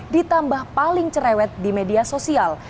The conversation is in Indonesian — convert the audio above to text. ditambah paling cerewet di media sosial